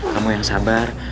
kamu yang sabar